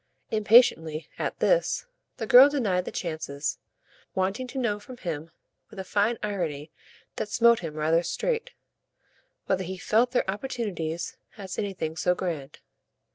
Impatiently, at this, the girl denied the chances, wanting to know from him, with a fine irony that smote him rather straight, whether he felt their opportunities as anything so grand.